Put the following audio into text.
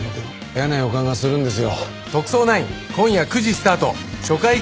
「嫌な予感がするんですよ」